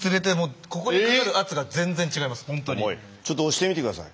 先生がちょっと押してみて下さい。